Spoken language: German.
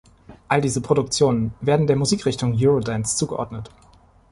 All diese Produktionen werden der Musikrichtung Eurodance zugeordnet.